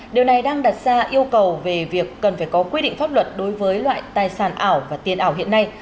điều này đang đặt ra yêu cầu về việc cần phải có quy định pháp luật đối với loại tài sản ảo và tiền ảo hiện nay